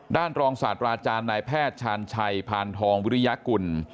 รองศาสตราอาจารย์นายแพทย์ชาญชัยพานทองวิริยากุล